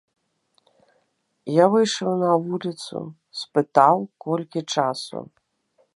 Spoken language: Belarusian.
Я выйшаў на вуліцу, спытаў, колькі часу.